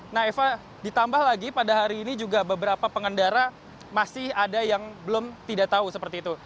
nah eva ditambah lagi pada hari ini juga beberapa pengendara masih ada yang belum tidak tahu seperti itu